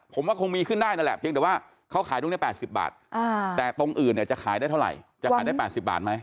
ผมว่าคงมีขึ้นได้นั่นแหละเพียงแต่ว่าเขาขายตรงนี้๘๐บาทแต่ตรงอื่นเนี่ยจะขายได้เท่าไหร่จะขายได้๘๐บาทไหม